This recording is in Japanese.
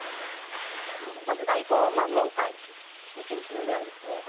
まず大根は今回２ｃｍ分ぐらいですね